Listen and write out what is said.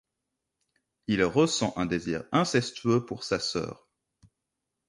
Il ressent un désir incestueux pour sa sœur.